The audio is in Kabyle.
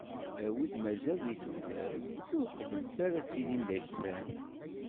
A wid mazal di tudert, ur qebblet ara ad tilim d aklan.